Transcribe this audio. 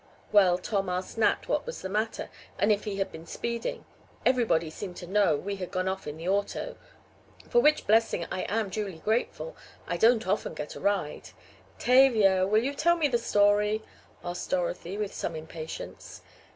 Well, Tom asked Nat what was the matter, and if he had been speeding. Everybody seemed to know we had gone off in the auto, for which blessing I am duly grateful. I don't often get a ride " "Tavia, will you tell me the story?" asked Dorothy with some impatience.